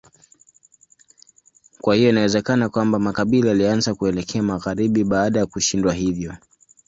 Kwa hiyo inawezekana kwamba makabila yalianza kuelekea magharibi baada ya kushindwa hivyo.